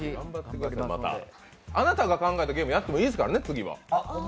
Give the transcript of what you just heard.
あなたが考えたゲームやってもいいですからね、次は。